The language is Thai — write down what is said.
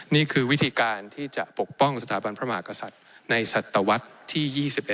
นี่คือวิธีการที่จะปกป้องสถาบันพระมหากษัตริย์ในศตวรรษที่๒๑